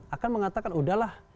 akan mengatakan udahlah